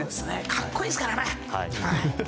格好いいですからね。